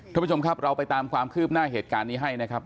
ท่านผู้ชมครับเราไปตามความคืบหน้าเหตุการณ์นี้ให้นะครับ